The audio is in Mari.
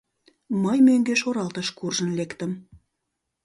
Мый мӧҥгеш оралтыш куржын лектым.